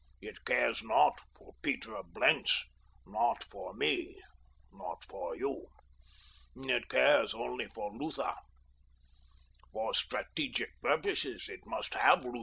It cares naught for Peter of Blentz, naught for me, naught for you. It cares only for Lutha. For strategic purposes it must have Lutha.